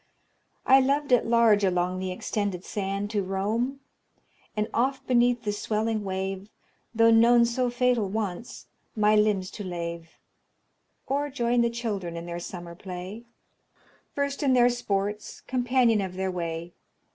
I loved at large along the extended sand To roam, and oft beneath the swelling wave, Tho' known so fatal once, my limbs to lave; Or join the children in their summer play, First in their sports, companion of their way.